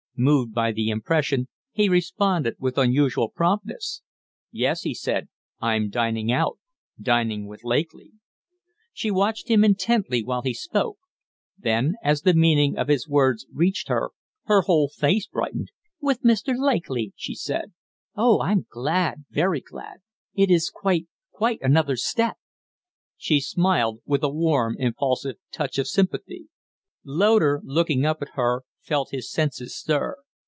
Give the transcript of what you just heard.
Moved by the impression, he responded with unusual promptness. "Yes," he said. "I'm dining out dining with Lakely." She watched him intently while he spoke; then, as the meaning of his words reached her, her whole face brightened. "With Mr. Lakely?" she said. "Oh, I'm glad very glad. It is quite quite another step." She smiled with a warm, impulsive touch of sympathy. Loder, looking up at her, felt his senses stir.